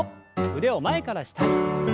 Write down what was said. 腕を前から下に。